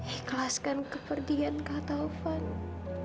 ikhlaskan keperdian kak taufan